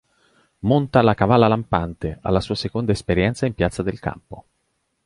Monta la cavalla Lampante, alla sua seconda esperienza in Piazza del Campo.